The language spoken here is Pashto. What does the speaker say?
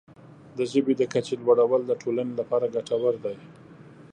د ژبې د کچې لوړول د ټولنې لپاره ګټور دی.